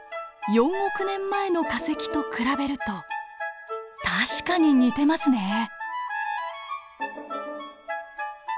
４億年前の化石と比べると確かに似てますね。